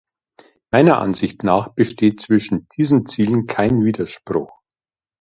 Meiner Ansicht nach besteht zwischen diesen Zielen kein Widerspruch.